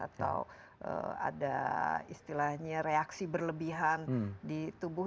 atau ada istilahnya reaksi berlebihan di tubuh